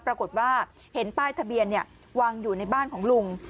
ปรากฏว่าเห็นป้ายทะเบียนวางอยู่ในบ้านของลุง